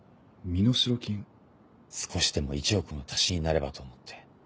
少しでも１億の足しになればと思って。